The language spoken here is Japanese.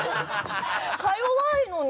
か弱いのに！